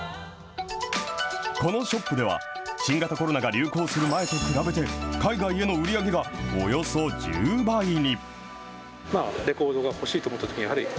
このショップでは、新型コロナが流行する前と比べて、海外への売り上げがおよそ１０倍に。